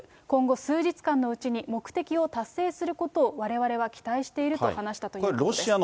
今後、数日間のうちに、目的を達成することをわれわれは期待していると話したということです。